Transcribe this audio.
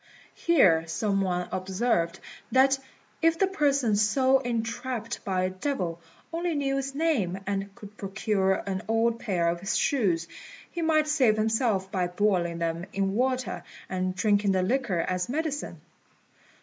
Here some one observed that if the person so entrapped by a devil only knew its name, and could procure an old pair of its shoes, he might save himself by boiling them in water and drinking the liquor as medicine.